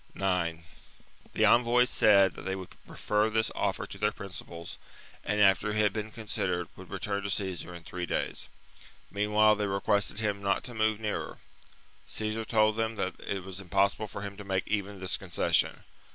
9. The envoys said that they would refer this but refuses offer to their principals, and, after it had been march. considered, would return to Caesar in three days ; meanwhile they requested him not to move nearer. Caesar told them that it was impos sible for him to make even this concession.